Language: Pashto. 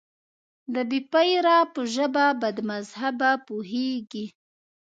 د بې پيره په ژبه بدمذهبه پوهېږي.